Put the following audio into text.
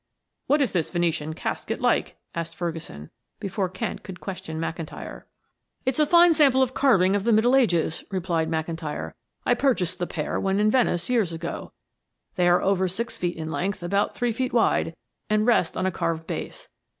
"What's this Venetian casket like?" asked Ferguson before Kent could question McIntyre. "It is a fine sample of carving of the Middle Ages," replied McIntyre. "I purchased the pair when in Venice years ago. They are over six feet in length, about three feet wide, and rest on a carved base.